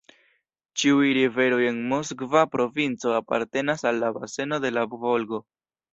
Ĉiuj riveroj en Moskva provinco apartenas al la baseno de la Volgo.